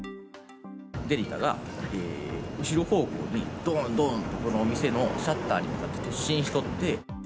デリカが後ろ方向にどーん、どーんって、店のシャッターに向かって突進しとって。